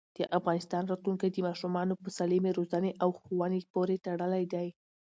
د افغانستان راتلونکی د ماشومانو په سالمې روزنې او ښوونې پورې تړلی دی.